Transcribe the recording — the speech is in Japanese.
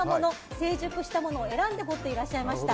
成熟したものを選んで掘っていらっしゃいました。